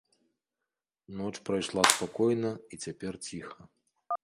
Ноч прайшла спакойна і цяпер ціха.